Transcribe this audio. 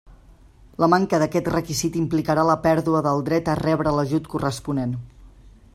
La manca d'aquest requisit implicarà la pèrdua del dret a rebre l'ajut corresponent.